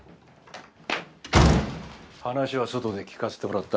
話は外で聞かせてもらった。